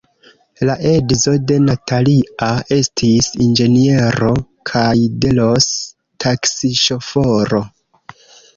La edzo de Natalia estis inĝeniero kaj de Ros – taksiŝoforo.